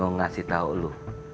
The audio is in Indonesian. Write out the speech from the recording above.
mau ngasih tau lo